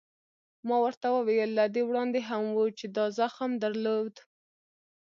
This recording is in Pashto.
ما ورته وویل: له دې وړاندې هم و، چې دا زخم در درلود؟